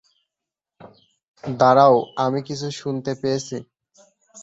দাঁড়াও, আমি কিছু শুনতে পেয়েছি।